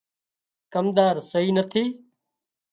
ڪمۮار سئي نٿي